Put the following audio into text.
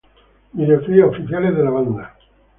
Videoclips oficiales de la banda.